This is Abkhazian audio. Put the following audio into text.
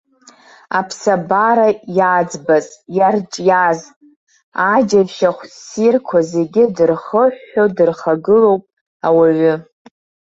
Аԥсабара иаӡбаз, иарҿиаз аџьашьахә-ссирқәа зегьы дырхыҳәҳәо дырхагылоуп ауаҩы.